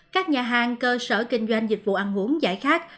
các nhà hàng cơ sở kinh doanh dịch vụ ăn uống giải khát